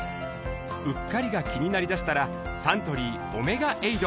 うっかりが気になりだしたらサントリー「オメガエイド」